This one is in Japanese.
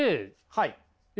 はい。